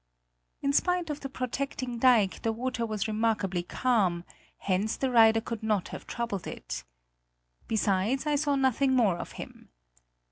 In spite of the protecting dike, the water was remarkably calm; hence the rider could not have troubled it. Besides, I saw nothing more of him.